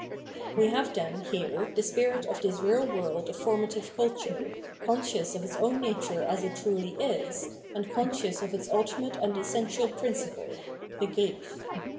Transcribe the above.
We have, then, here the spirit of this real world of formative culture, conscious of its own nature as it truly is, and conscious of its ultimate and essential principle {Begriff).